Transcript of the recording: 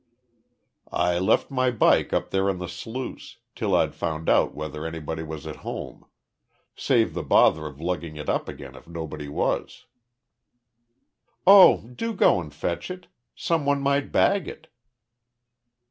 "I left my bike up there on the sluice, till I'd found out whether anybody was at home. Save the bother of lugging it up again if nobody was." "Oh, do go and fetch it. Some one might bag it."